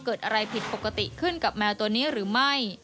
เกิดอะไรผิดปกติขึ้นกับแมวตัวนี้หรือไม่